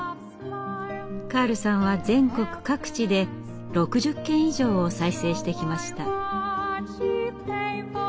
カールさんは全国各地で６０軒以上を再生してきました。